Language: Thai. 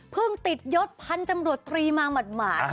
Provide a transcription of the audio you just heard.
ติดยศพันธุ์ตำรวจตรีมาหมาด